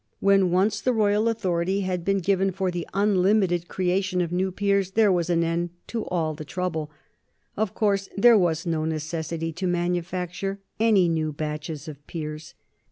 When once the royal authority had been given for the unlimited creation of new peers there was an end of all the trouble. Of course, there was no necessity to manufacture any new batches of peers.